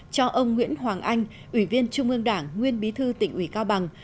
cho ông nguyễn hoàng anh ủy viên trung ương đảng nguyên bí thư tỉnh ủy cao bằng